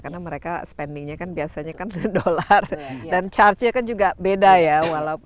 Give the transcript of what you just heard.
karena mereka spendingnya kan biasanya kan dolar dan charge nya kan juga beda ya